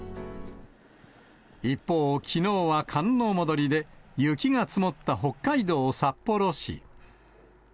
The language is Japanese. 一方、きのうは寒の戻りで、雪が積もった北海道札幌市。